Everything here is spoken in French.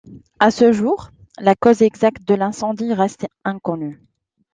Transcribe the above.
À ce jour, la cause exacte de l'incendie reste inconnue.